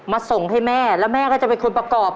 ส่งให้แม่แล้วแม่ก็จะเป็นคนประกอบ